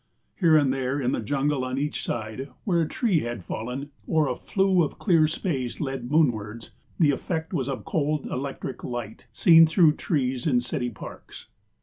Here and there in the jungle on each side, where a tree had fallen, or a flue of clear space led moonwards, the effect was of cold electric light seen through trees in city parks.